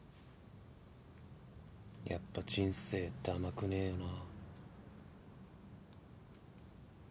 やっぱ人生って甘くねえよな。